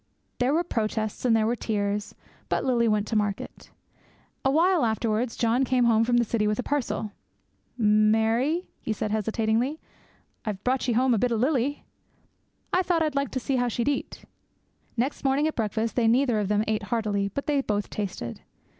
There were protests and there were tears, but Lily went to market. Awhile afterwards John came home from the city with a parcel. 'Mary,' he said hesitatingly, 'I've brought ye home a bit o' Lily! I thought I'd like to see how she'd eat.' Next morning at breakfast they neither of them ate heartily, but they both tasted.